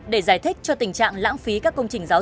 để giải thích cho tình trạng lãng phí các công trình giáo dục